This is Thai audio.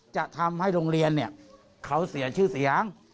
จะทำให้โรงเรียนเขาเสียชื่อเสียง